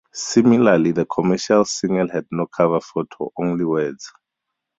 Similarly, the commercial single had no cover photo, only words.